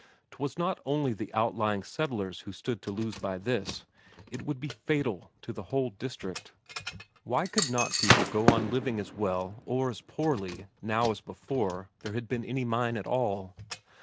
'Twas not only the outlying settlers who stood to lose by this, it would be fatal to the whole district. Why could not folk go on living as well or as poorly now as before there had been any mine at all?